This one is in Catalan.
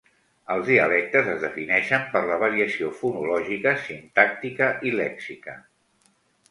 Els dialectes es defineixen per la variació fonològica, sintàctica i lèxica.